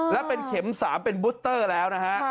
และเป็นเข็ม๓เป็นบูสเตอร์แล้วนะฮะ